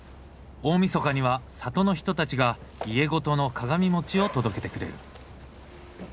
大みそかには里の人たちが家ごとの鏡餅を届けてくれる。